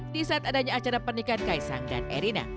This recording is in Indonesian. di saat adanya acara pernikahan kaisang dan erina